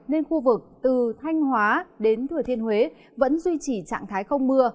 nên khu vực từ thanh hóa đến thừa thiên huế vẫn duy trì trạng thái không mưa